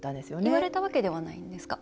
言われたわけではないんですか？